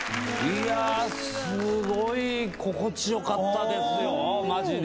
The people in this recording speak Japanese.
いやぁ、すごい心地よかったですよ、まじで。